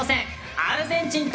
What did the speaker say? アルゼンチン対